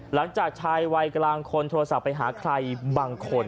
หลังจากชายวัยกลางคนโทรศัพท์ไปหาใครบางคน